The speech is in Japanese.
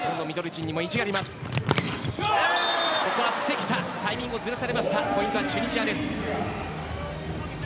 ここは関田タイミングをずらされてポイントはチュニジアです。